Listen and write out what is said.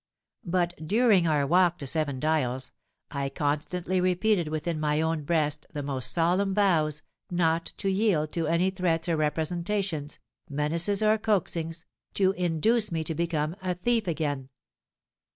But during our walk to Seven Dials, I constantly repeated within my own breast the most solemn vows not to yield to any threats or representations—menaces or coaxings—to induce me to become a thief again!